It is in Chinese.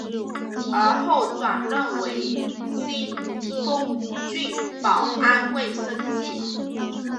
而后转任为新丰郡保安卫生系。